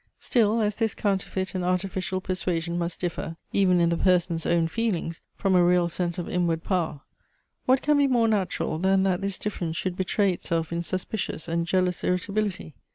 Still, as this counterfeit and artificial persuasion must differ, even in the person's own feelings, from a real sense of inward power, what can be more natural, than that this difference should betray itself in suspicious and jealous irritability?